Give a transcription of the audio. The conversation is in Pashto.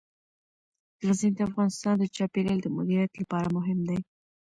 غزني د افغانستان د چاپیریال د مدیریت لپاره مهم دي.